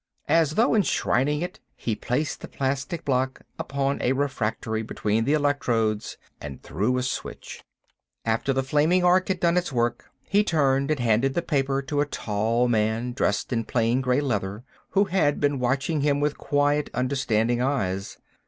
As though enshrining it he placed the plastic block upon a refractory between the electrodes and threw a switch. After the flaming arc had done its work he turned and handed the paper to a tall man, dressed in plain gray leather, who had been watching him with quiet, understanding eyes.